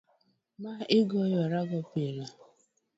ma igoyorago pile